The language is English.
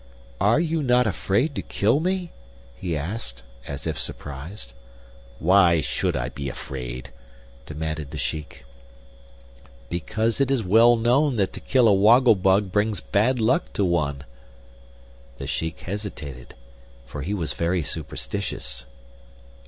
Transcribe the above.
"Are you not afraid to kill me?" he asked, as if surprised. "Why should I be afraid?" demanded the Shiek. "Because it is well known that to kill a woggle bug brings bad luck to one." The Shiek hesitated, for he was very superstitious.